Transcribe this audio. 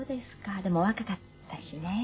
でもお若かったしね。